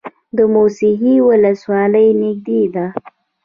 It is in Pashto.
د موسهي ولسوالۍ نږدې ده